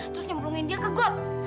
terus nyemplungin dia ke got